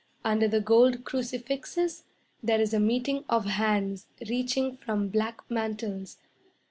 Under the gold crucifixes There is a meeting of hands Reaching from black mantles.